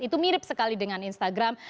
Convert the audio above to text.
itu mirip sekali dengan instagram